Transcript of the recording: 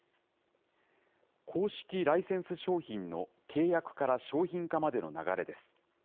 公式ライセンス商品の契約から商品化までの流れです。